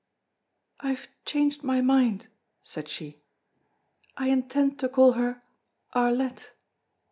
"I have changed my mind," said she. "I intend to call her Arlette."